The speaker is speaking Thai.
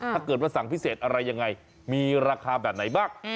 ถ้าเกิดว่าสั่งพิเศษอะไรยังไงมีราคาแบบไหนบ้าง